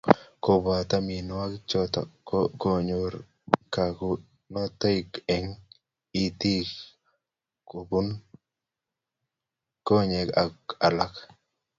kuboto mionwek choto ko konyoru kakutunoik eng' itik, kubwonio konyek ak alak